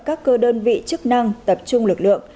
các cơ đơn vị chức năng tập trung lực lượng